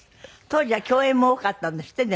当時は共演も多かったんですって？